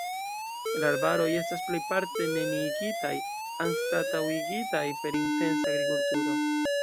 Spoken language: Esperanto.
La arbaroj estas plejparte neniigitaj, anstataŭigitaj per intensa agrikulturo.